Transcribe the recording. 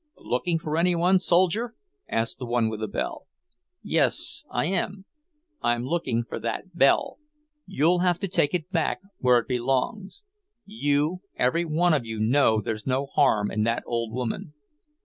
"Looking for any one, soldier?" asked the one with the bell. "Yes, I am. I'm looking for that bell. You'll have to take it back where it belongs. You every one of you know there's no harm in that old woman."